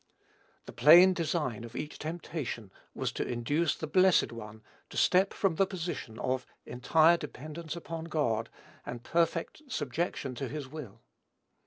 The plain design of each temptation was to induce the Blessed One to step from the position of entire dependence upon God, and perfect subjection to his will.